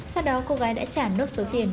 sau đó cô gái đã trả nốt số tiền